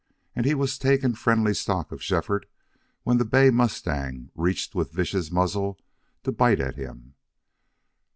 And he was taking friendly stock of Shefford when the bay mustang reached with vicious muzzle to bite at him.